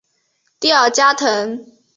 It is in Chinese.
蒂尔加滕。